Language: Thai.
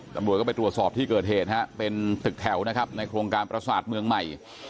ตำรวจก็ไปตรวจสอบที่เกิดเหตุฮะเป็นตึกแถวนะครับในโครงการประสาทเมืองใหม่